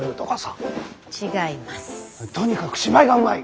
とにかく芝居がうまい！